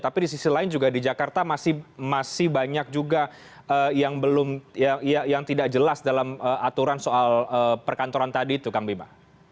tapi di sisi lain juga di jakarta masih banyak juga yang tidak jelas dalam aturan soal perkantoran tadi itu kang bima